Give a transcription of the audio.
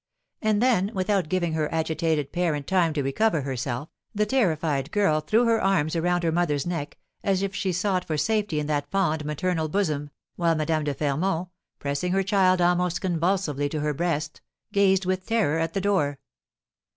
And then, without giving her agitated parent time to recover herself, the terrified girl threw her arms around her mother's neck, as if she sought for safety in that fond, maternal bosom, while Madame de Fermont, pressing her child almost convulsively to her breast, gazed with terror at the door.